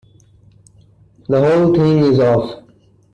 The whole thing is off.